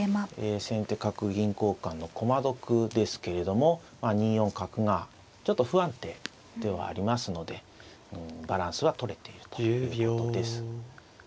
え先手角銀交換の駒得ですけれども２四角がちょっと不安定ではありますのでバランスはとれているということです。